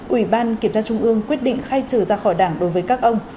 ủy ban kiểm tra trung ương quyết định khai trừ ra khỏi đảng đối với các ông